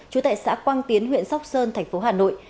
trú tại xã quang tiến huyện sóc sơn thành phố hà nội